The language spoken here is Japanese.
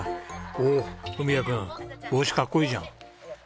おお風己弥君帽子かっこいいじゃん。